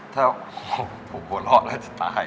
ถ้าโมงพูดโหลดแล้วจะตาย